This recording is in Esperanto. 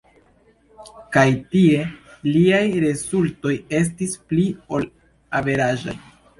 Kaj tie liaj rezultoj estis pli ol averaĝaj.